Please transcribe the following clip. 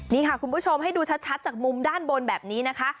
นี่ค่ะคุณผู้ชมให้ดูชัดจากมุมด้านบนแบบนี้นะคะ